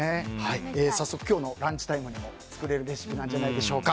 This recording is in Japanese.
早速、今日のランチタイムにも作れるレシピなんじゃないでしょうか。